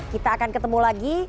kita akan ketemu lagi